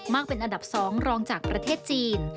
เป็นอันดับ๒รองจากประเทศจีน